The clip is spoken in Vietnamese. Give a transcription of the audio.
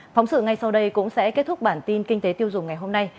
phóng sự ngay sau đây cũng sẽ kết thúc bản tin kinh tế tiêu dùng ngày hôm nay